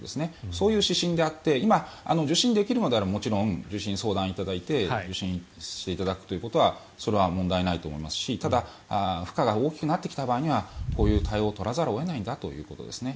そういう指針であって今、受診できるのであればもちろん受診・相談していただいて受診していただくというのは問題ないと思いますしただ、負荷が大きくなってきた場合にはこういう対応を取らざるを得ないんだということですね。